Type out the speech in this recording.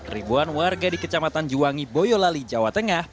ribuan warga di kecamatan juwangi boyolali jawa tengah